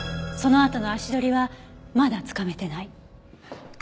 そのあとの足取りはまだつかめてない。